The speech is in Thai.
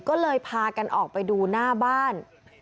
ก็เลยพากันออกไปดูหน้าบ้าน